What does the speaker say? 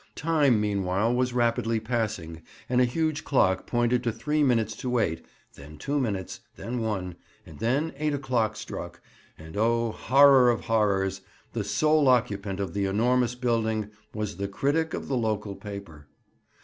Time meanwhile was rapidly passing, and a huge clock pointed to three minutes to eight, then two minutes, then one, and then eight o'clock struck, and, oh horror of horrors! the sole occupant of the enormous building was the critic of the local paper.